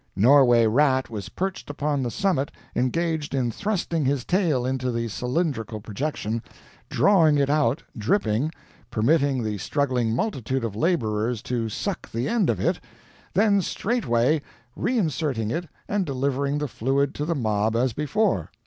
Norway Rat was perched upon the summit engaged in thrusting his tail into the cylindrical projection, drawing it out dripping, permitting the struggling multitude of laborers to suck the end of it, then straightway reinserting it and delivering the fluid to the mob as before.